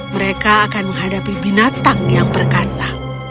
mereka akan menghadapi binatang yang perkasa